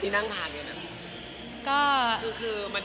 ที่นั่งถ่ายเลยนะ